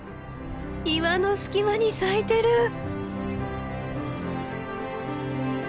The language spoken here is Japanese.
岩の隙間に咲いてる！